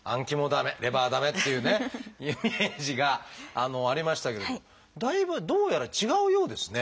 駄目レバー駄目っていうねイメージがありましたけどだいぶどうやら違うようですね。